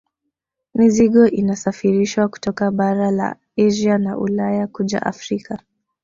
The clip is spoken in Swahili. Mizigo inasafirishwa kutoka bara la Asia na Ulaya kuja Afrika